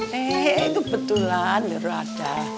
hehehe kebetulan doro ada